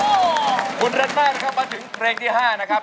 โอ้โหคุณเรนต้านะครับมาถึงเพลงที่๕นะครับ